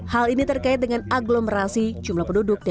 hal ini terkait dengan agglomerasi jumlah penduduk